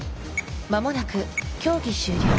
まもなく競技終了。